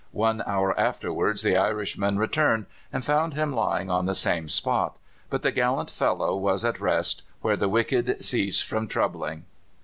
One hour afterwards the Irishman returned and found him lying on the same spot; but the gallant fellow was at rest, "where the wicked cease from troubling."